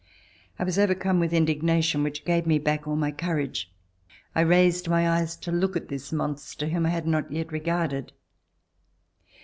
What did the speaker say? I was overcome with indignation which gave me back all my courage. I raised my eyes to look at this monster whom I had not yet regarded.